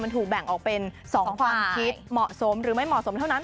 มันถูกแบ่งออกเป็น๒ความคิดเหมาะสมหรือไม่เหมาะสมเท่านั้น